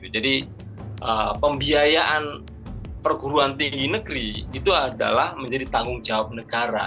jadi pembiayaan perguruan tinggi negeri itu adalah menjadi tanggung jawab negara